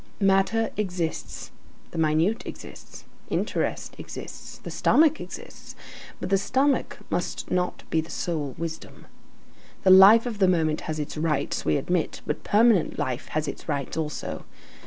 Matter exists, the minute exists, interest exists, the stomach exists; but the stomach must not be the sole wisdom. The life of the moment has its rights, we admit, but permanent life has its rights also.